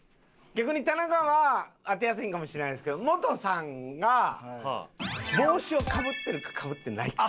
逆に田中は当てやすいんかもしれないですけどモトさんが帽子をかぶってるかかぶってないか。